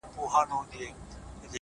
لکه نغمه لکه سيتار خبري ډيري ښې دي ـ